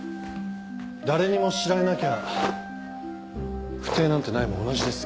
誰にも知られなきゃ不貞なんてないも同じですよ。